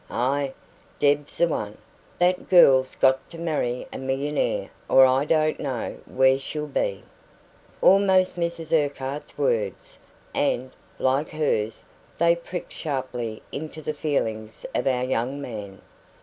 "Aye, Deb's the one! That girl's got to marry a millionaire, or I don't know where she'll be." Almost Mrs Urquhart's words! And, like hers, they pricked sharply into the feelings of our young man.